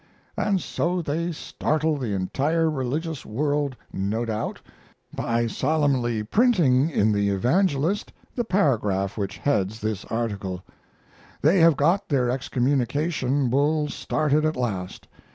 And so they startled the entire religious world no doubt by solemnly printing in the Evangelist the paragraph which heads this article. They have got their excommunication bull started at last.